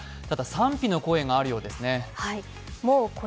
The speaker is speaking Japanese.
ただ、賛否の声があるようですね。